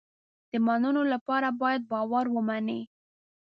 د منلو لپاره باید باور ومني.